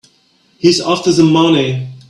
He's after the money.